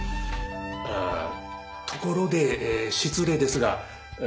ああところで失礼ですがええ